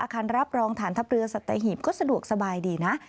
คันรับรองฐานทัพเรือสัตหีบก็สะดวกสบายดีนะ